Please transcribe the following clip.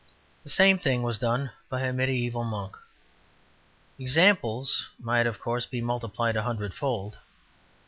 The same thing was done by a mediæval monk. Examples might, of course, be multiplied a hundred fold.